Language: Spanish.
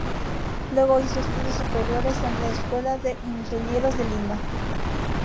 Luego hizo estudios superiores en la Escuela de Ingenieros de Lima.